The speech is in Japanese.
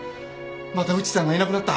また内さんがいなくなった。